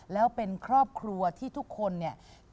แล้วเป็นครอบครัวที่ทุกคนเนี่ย